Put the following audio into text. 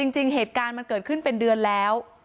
จริงเหตุการณ์มันเกิดขึ้นเป็นเดือนแล้ว